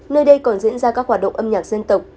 nơi đây còn diễn ra các hoạt động âm nhạc dân tộc